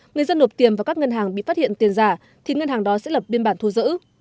người dân nộp tiền vào các ngân hàng bị phát hiện tiền giả thì ngân hàng đó sẽ lập biên bản thu giữ